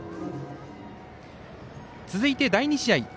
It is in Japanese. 続いて、第２試合。